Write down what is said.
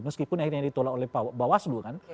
meskipun akhirnya ditolak oleh bawaslu kan